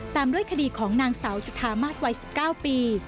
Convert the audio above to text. ตามด้วยคดีของนางสาวจุธามาศวัย๑๙ปี